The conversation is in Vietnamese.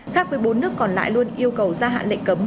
các một mươi bốn nước còn lại luôn yêu cầu gia hạn lệ cấm